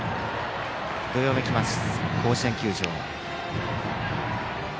どよめきます、甲子園球場。